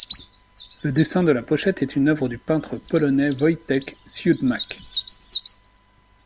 Le dessin de la pochette est une œuvre du peintre polonais Wojtek Siudmak.